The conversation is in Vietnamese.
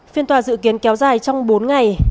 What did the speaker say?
phiên tòa dự kiến kéo dài trong bốn ngày